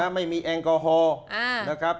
ไม่มีแอลกอฮอล์นะครับ